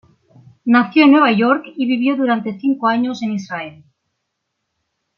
Nació en Nueva York, y vivió durante cinco años en Israel.